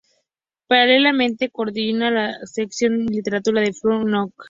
Paralelamente, coordina la sección de literatura de "Spain Now!